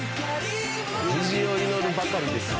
「無事を祈るばかりですよ」